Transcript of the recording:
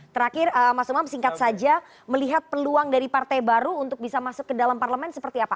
terakhir mas umam singkat saja melihat peluang dari partai baru untuk bisa masuk ke dalam parlemen seperti apa